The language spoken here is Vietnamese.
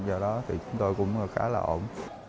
do đó chúng tôi cũng khá là ổn